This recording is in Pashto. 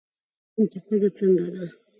هم چې ښځه څنګه ده